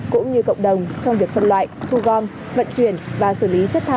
cũng như cộng đồng trong việc phân loại thu gom vận chuyển và xử lý rác thải sinh hoạt